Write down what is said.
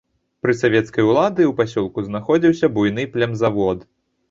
Пры савецкай улады ў пасёлку знаходзіўся буйны племзавод.